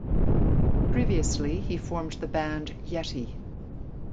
Previously, he formed the band Yeti.